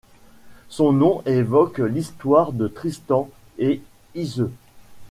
Son nom évoque l'histoire de Tristan et Iseut.